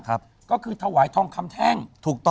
ก็คือถวายทองคำแท่ง